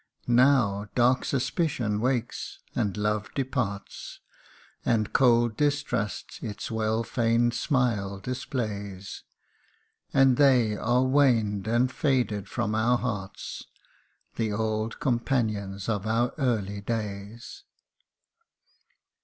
Now dark suspicion wakes, and love departs, And cold distrust its well feigned smile displays ; And they are waned and faded from our hearts, The old companions of our early days